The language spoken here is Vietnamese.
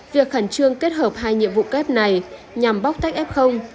việc khẩn trương kết hợp hai nhiệm vụ kép này nhằm bóc tách f